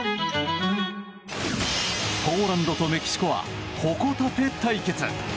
ポーランドとメキシコはほこたて対決！